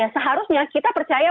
seharusnya kita percaya